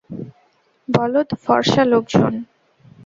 বলদ ফর্সা লোকজন।